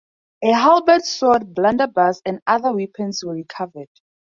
A halberd, sword, blunderbuss and other weapons were recovered.